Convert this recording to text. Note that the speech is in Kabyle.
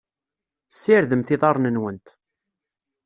Ssirdemt iḍarren-nwent.